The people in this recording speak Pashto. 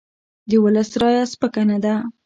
د ولس رایه سپکه نه ده